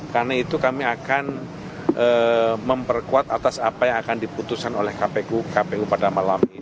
karena itu kami akan memperkuat atas apa yang akan diputuskan oleh kpu pada malam ini